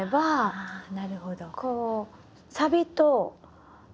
なるほど。